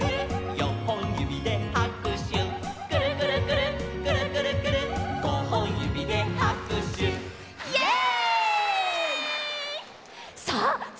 「よんほんゆびではくしゅ」「くるくるくるっくるくるくるっごほんゆびではくしゅ」イエイ！